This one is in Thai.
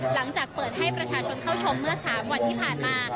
หลังจากเปิดให้ประชาชนเข้าชมเมื่อ๓วันที่ผ่านมา